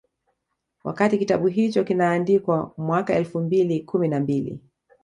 Wakati kitabu hicho kinaandikwa mwaka elfu mbili kumi na mbili